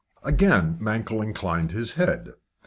Again Mankell inclined his head.